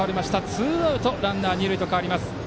ツーアウトランナー、二塁と変わりました。